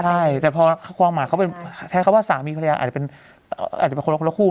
ใช่แต่พอความหมายเขาเป็นใช้คำว่าสามีภรรยาอาจจะเป็นคนละคู่